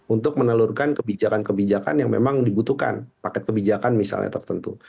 untuk menelurkan kebijakan kebijakan yang memang dibutuhkan paket kebijakan misalnya tertentu